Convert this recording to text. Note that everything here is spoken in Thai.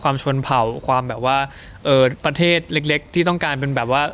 ชนเผ่าความแบบว่าเอ่อประเทศเล็กเล็กที่ต้องการเป็นแบบว่า